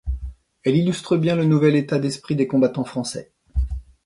Elle illustre bien le nouvel état d'esprit des combattants français.